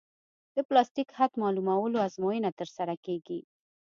د پلاستیک حد معلومولو ازموینه ترسره کیږي